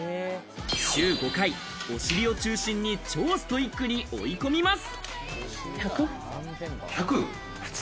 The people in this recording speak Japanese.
週５回、お尻を中心に超ストイックに追い込みます。